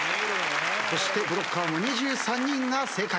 そしてブロッカーも２３人が正解。